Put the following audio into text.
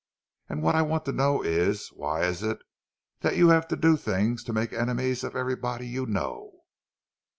And what I want to know is, why is it that you have to do things to make enemies of everybody you know?"